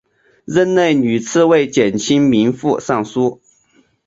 任内屡次为减轻民负上疏。